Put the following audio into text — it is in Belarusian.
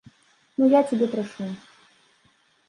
Ну я цябе прашу.